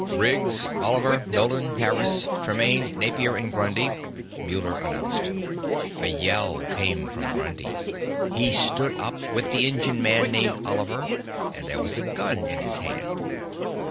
"Riggs, Oliver, Nolan, Harris, Tremaine, Napier and Grundy," Muller announced. A yell came from Grundy. He stood up, with the engine man named Oliver, and there was a gun in his hand.